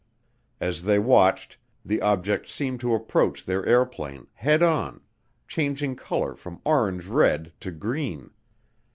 As they watched, the object seemed to approach their airplane head on, changing color from orange red to green.